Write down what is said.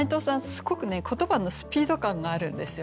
すっごくね言葉のスピード感があるんですよ